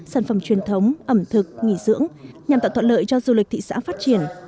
sản phẩm truyền thống ẩm thực nghỉ dưỡng nhằm tạo thuận lợi cho du lịch thị xã phát triển